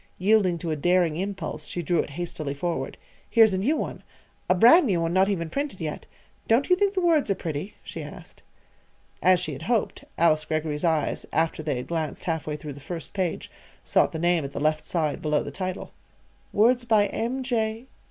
Yielding to a daring impulse, she drew it hastily forward. "Here's a new one a brand new one, not even printed yet. Don't you think the words are pretty?" she asked. As she had hoped, Alice Greggory's eyes, after they had glanced half way through the first page, sought the name at the left side below the title. "'Words by M. J.